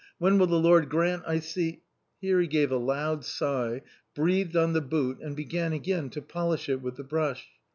When will the Lord grant I see " Here he gave a loud sigh, breathed on the boot, and began again to polish it with the brush.